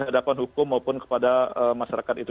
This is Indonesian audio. baik dihadapan hukum maupun kepada masyarakat ini